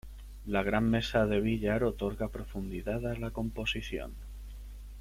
La gran mesa de billar otorga profundidad a la composición.